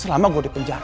selama gue di penjara